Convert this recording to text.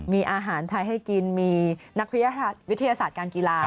มีอาหารไทยให้กินมีนักวิทยาศาสตร์การกีฬา